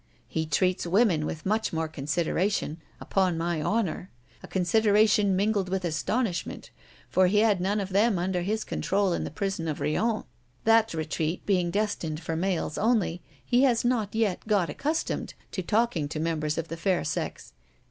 He treats women with much more consideration, upon my honor a consideration mingled with astonishment, for he had none of them under his control in the prison of Riom. That retreat being destined for males only, he has not yet got accustomed to talking to members of the fair sex.